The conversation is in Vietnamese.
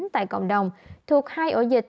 tại cộng đồng thuộc hai ổ dịch